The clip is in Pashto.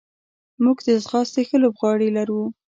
موږ د ځغاستې ښه لوبغاړي لرو.